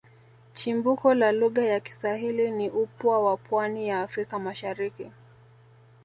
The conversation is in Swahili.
Chimbuko la lugha ya Kiswahili ni upwa wa pwani ya Afrika Mashariki